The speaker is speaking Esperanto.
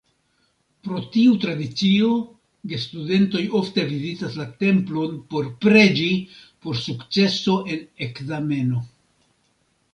Pro tiu tradicio gestudentoj ofte vizitas la templon por preĝi por sukceso en ekzameno.